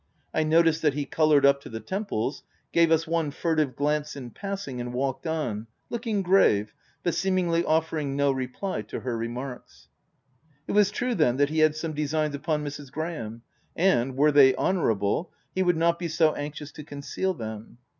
I noticed that he coloured up to the temples, gave us one furtive glance in passing, and OF WILDFELL HALL. 173 walked on, looking grave, but seemingly offer ing no reply to her remarks. It was true, then, that he had some designs upon Mrs. Graham ; and, were they honour able, he would not be so anxious to conceal them.